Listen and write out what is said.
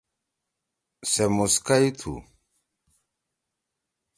سے مُسکئی تُھو۔